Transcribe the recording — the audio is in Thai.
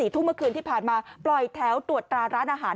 ทุ่มเมื่อคืนที่ผ่านมาปล่อยแถวตรวจตราร้านอาหาร